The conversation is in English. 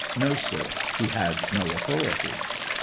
No, sir; he had no authority.